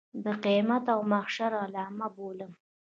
د قیامت او محشر علامه بولم.